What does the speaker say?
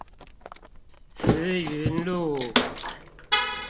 慈雲路